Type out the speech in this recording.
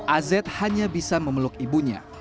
az hanya bisa memeluk ibunya